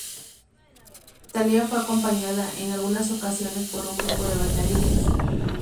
Thalía fue acompañada en algunas canciones por un grupo de bailarines.